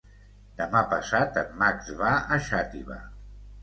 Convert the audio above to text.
Demà passat en Max va a Xàtiva.